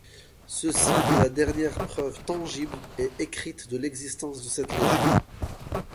Ceci est la dernière preuve tangible et écrite de l’existence de cette légion.